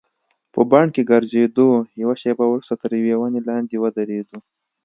په بڼ کې ګرځېدو، یوه شیبه وروسته تر یوې ونې لاندې ودریدو.